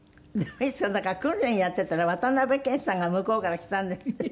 なんか訓練やっていたら渡辺謙さんが向こうから来たんですって？